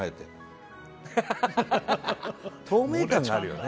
透明感があるよね。